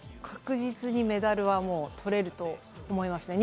確実にメダルは取れると思います。